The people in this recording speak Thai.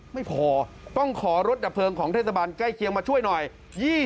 ไม่พอต้องขอรถดับเพลิงของเทศบาลใกล้เคียงมาช่วยหน่อย